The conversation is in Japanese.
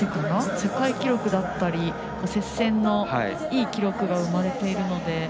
世界記録だったり接戦のいい記録が生まれているので。